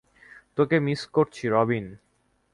তোকে মিস করছি, রবিন।